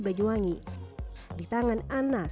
dan juga kakak yang diberikan